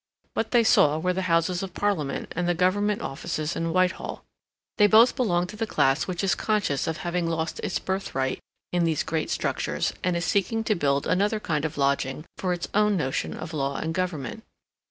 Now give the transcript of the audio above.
What they saw were the Houses of Parliament and the Government Offices in Whitehall. They both belonged to the class which is conscious of having lost its birthright in these great structures and is seeking to build another kind of lodging for its own notion of law and government.